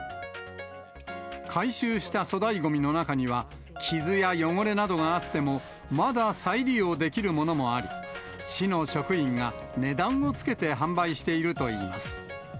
回収した粗大ごみの中には、傷や汚れなどがあっても、まだ再利用できるものもあり、市の職員が値段をつけて販売しているといいます。